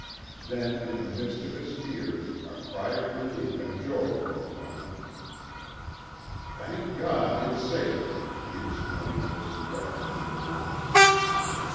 Then, in the midst of his fears, a cry of relief and joy broke from him. "Thank God, you're safe!" he exclaimed, as he rushed into the room.